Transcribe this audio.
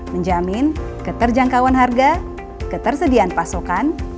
menjamin keterjangkauan harga ketersediaan pasokan